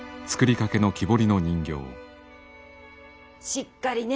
しっかりね。